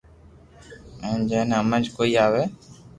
ھين جي ني ھمج ۾ ڪوئي اوي